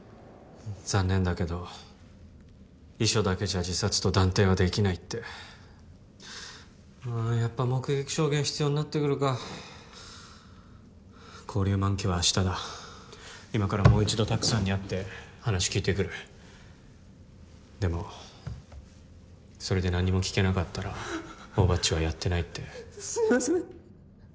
残念だけど遺書だけじゃ自殺と断定はできないってああやっぱ目撃証言必要になってくるか勾留満期は明日だ今からもう一度拓さんに会って話聞いてくるでもそれで何も聞けなかったら大庭っちはやってないってすいません